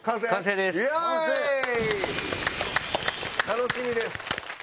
楽しみです。